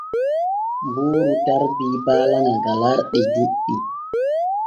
Buuru tarbi baala ŋa galarɗi juɗɗi.